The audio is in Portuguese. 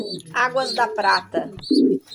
Águas da Prata